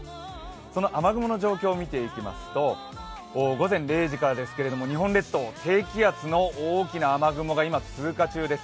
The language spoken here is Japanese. その雨雲の状況を見ていきますと午前０時からですけど、日本列島、低気圧の大きな雨雲が今通過中です。